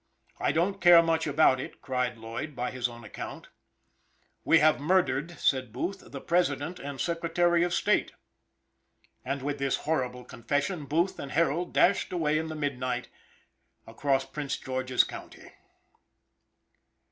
"I don't care much about it," cried Lloyd, by his own account. "We have murdered," said Booth, "the President and Secretary of State!" And with this horrible confession, Booth and Harold dashed away in the midnight, across Prince George's county.